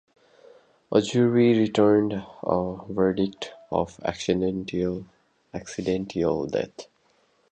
A jury returned a verdict of accidental death.